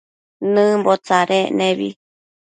Nëmbo tsadtsec nebi